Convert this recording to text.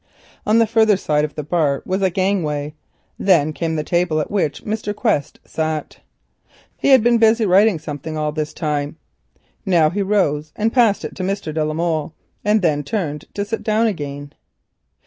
On the further side of the bar was a gangway, and beyond it a table at which Mr. Quest sat. He had been busy writing something all this time, now he rose, passed it to Mr. de la Molle, and then turned to sit down again.